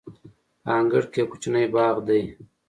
په انګړ کې یو کوچنی باغ دی.